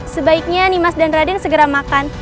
sebaiknya nimas dan raden segera makan